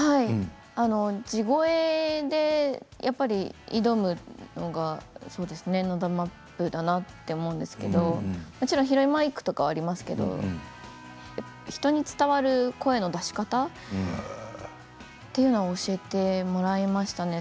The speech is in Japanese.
地声で挑むのはＮＯＤＡ・ＭＡＰだと思うんですけれどもちろん平マイクはありますけれど、人に伝わる声の出し方というのは教えてもらいましたね。